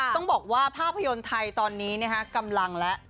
ต้องบอกว่าภาพยนตร์ไทยตอนนี้กำลังแล้ว